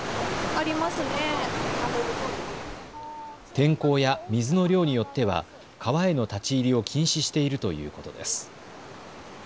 天候や水の量によっては川への立ち入りを禁止しているということです。